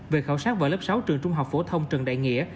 về khảo sát vào lớp sáu trường trung học phổ thông trần đại nghĩa